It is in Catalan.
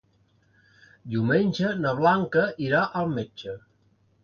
Diumenge na Blanca irà al metge.